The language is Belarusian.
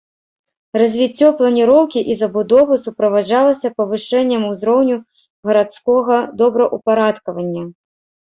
Развіццё планіроўкі і забудовы суправаджалася павышэннем узроўню гарадскога добраўпарадкавання.